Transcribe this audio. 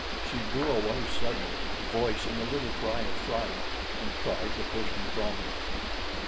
She drew away suddenly, voicing a little cry of fright, and tried to push me from her.